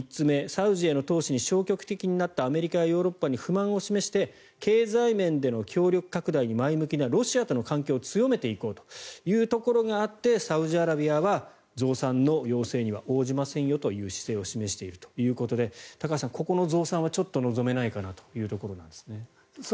サウジへの投資に消極的になったアメリカやヨーロッパに不満を示して経済面での協力拡大に前向きなロシアとの関係を強めていこうというところがあってサウジアラビアは増産の要請には応じませんよという姿勢を示しているということで高橋さん、ここの増産はちょっと望めないかなというところですね。